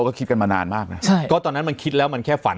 ก็คิดกันมานานมากนะใช่ก็ตอนนั้นมันคิดแล้วมันแค่ฝัน